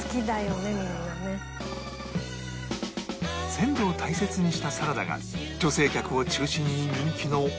鮮度を大切にしたサラダが女性客を中心に人気の